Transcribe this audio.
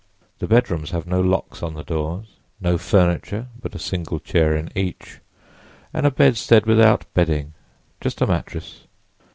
The bedrooms have no locks on the doors, no furniture but a single chair in each, and a bedstead without bedding—just a mattress.